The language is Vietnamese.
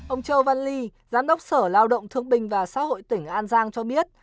ông châu văn ly giám đốc sở lao động thương bình và xã hội tỉnh an giang cho biết